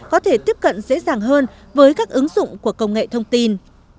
có thể tiếp cận dễ dàng hơn với các ứng dụng của công nghệ thông tin